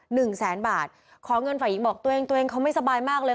หนึ่งแสนบาทขอเงินฝ่ายหญิงบอกตัวเองตัวเองเขาไม่สบายมากเลย